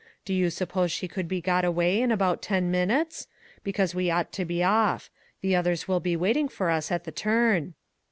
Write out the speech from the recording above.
Do you suppose she could be got ready in about ten minutes ? because we ought to be off. The others will be waiting for us at the turn."